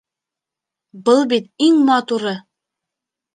Был бит иң матуры!